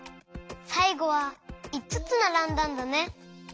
さいごはいつつならんだんだね。